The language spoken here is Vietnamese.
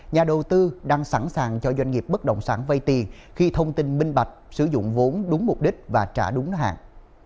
nhà đầu tư đang sẵn sàng cho doanh nghiệp bất động sản vây tiền khi thông tin minh bạch sử dụng vốn đúng mục đích và trả đúng hạn